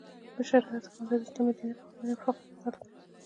د شرعیاتو پوهنځی د اسلامي دیني قوانینو او فقه مطالعه کوي.